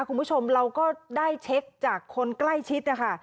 คุณผู้ชมเราก็ได้เช็คจากคนใกล้ชิดนะคะ